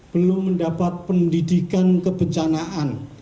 belum mendapat pendidikan kebencanaan